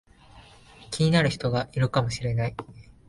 気になる人がいるかもしれない